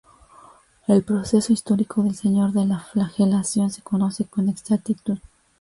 El proceso histórico del Señor de la Flagelación se conoce con exactitud.